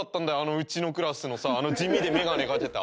うちのクラスのさ地味で眼鏡掛けた。